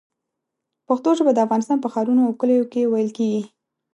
پښتو ژبه د افغانستان په ښارونو او کلیو کې ویل کېږي.